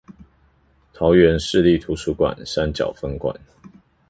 桃園市立圖書館山腳分館